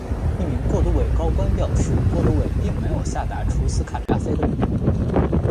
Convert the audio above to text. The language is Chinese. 一名过渡委高官表示过渡委并没有下达处死卡扎菲的命令。